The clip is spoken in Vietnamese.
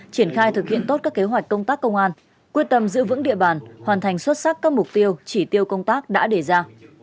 triển khai thực hiện tốt các kế hoạch công tác công an quyết tâm giữ vững địa bàn hoàn thành xuất sắc các mục tiêu chỉ tiêu công tác đã đề ra